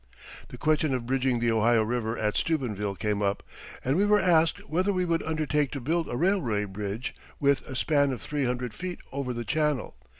The question of bridging the Ohio River at Steubenville came up, and we were asked whether we would undertake to build a railway bridge with a span of three hundred feet over the channel.